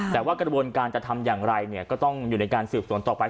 แต่ว่ากระบวนการจะทำอย่างไรเนี่ยก็ต้องอยู่ในการสืบสวนต่อไป